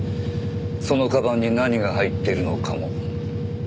そのかばんに何が入ってるのかも。